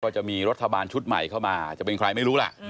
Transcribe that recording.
จะมีรัฐบาลชุดใหม่เข้ามาจะเป็นใครไม่รู้ล่ะ